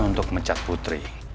untuk mecat putri